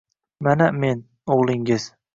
— Mana men, o’g’lingiz